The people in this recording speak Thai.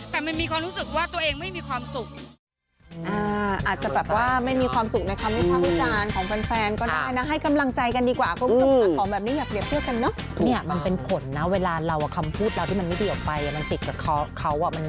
แต่มันมีความรู้สึกว่าตัวเองไม่มีความสุข